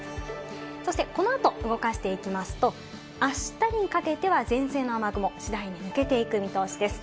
そして、このあと動かしていきますと、あしたにかけては前線の雨雲、次第に抜けていく見通しです。